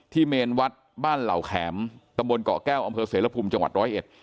ที่เมนวัดบ้านเหล่าแขมตำบลเกาะแก้วอำเภอเสรภุมจังหวัด๑๐๑